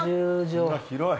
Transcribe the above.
・広い。